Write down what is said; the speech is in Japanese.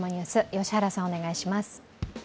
良原さん、お願いします。